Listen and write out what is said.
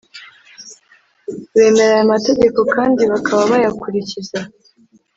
bemera aya mategeko kandi bakaba bayakurikiza